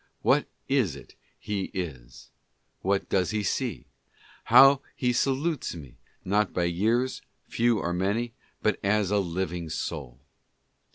What is it he is? What does he see? How he salutes me — not by years, few or many, but as a living soul."